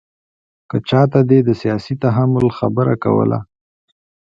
که چاته دې د سیاسي تحمل خبره کوله.